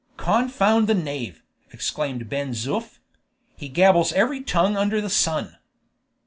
"Confound the knave!" exclaimed Ben Zoof; "he gabbles every tongue under the sun!"